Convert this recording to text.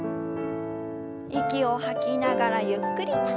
息を吐きながらゆっくりと。